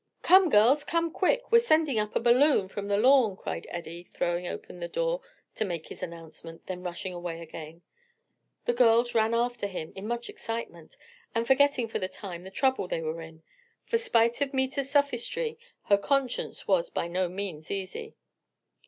"Come, girls, come quick! we're sending up a balloon, from the lawn!" cried Eddie throwing open the door to make his announcement, then rushing away again. The girls ran after him, in much excitement, and forgetting for the time the trouble they were in; for spite of Meta's sophistry her conscience was by no means easy.